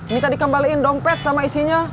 minta dikembaliin dompet sama isinya